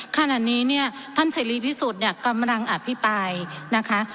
ขณะนี้เนี่ยท่านเสรีพิสุทธิ์เนี่ยกำลังอภิปรายนะคะ